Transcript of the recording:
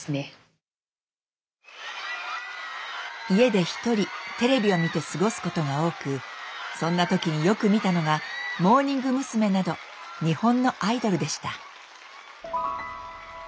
家で一人テレビを見て過ごすことが多くそんな時によく見たのがモーニング娘。など日本のアイドルでした。